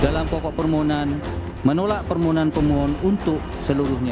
dalam pokok permohonan menolak permohonan pemohon untuk seluruhnya